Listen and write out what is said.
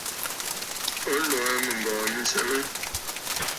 O lɔ̀ɔ̀ mɨŋgɔ̀ɔ̀ mi nsəgə?